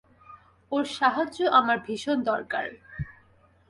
ওর সাহায্য আমার ভীষণ দরকার।